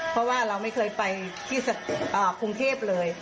เพราะว่าเราไม่เคยไปที่กรุงเทพเลย